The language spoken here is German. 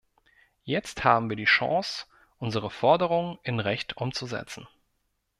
Jetzt haben wir die Chance, unsere Forderungen in Recht umzusetzen.